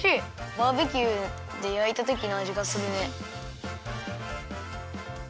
バーベキューでやいたときのあじがするね。